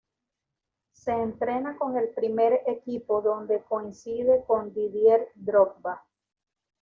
Se entrena con el primer equipo donde coincide con Didier Drogba.